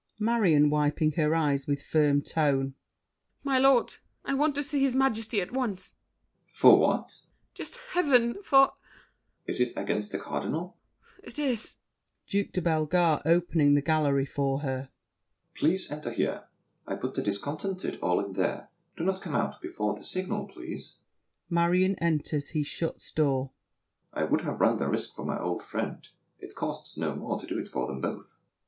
MARION (wiping her eyes: with firm tone). My lord, I want to see his Majesty at once! DUKE DE BELLEGARDE. For what? MARION. Just Heaven! For— DUKE DE BELLEGARDE. Is it against The Cardinal? MARION. It is! DUKE DE BELLEGARDE (opening the gallery for her). Please enter here. I put the discontented all in there; Do not come out before the signal, please. [Marion enters; he shuts door. I would have run the risk for my old friend. It costs no more to do it for them both.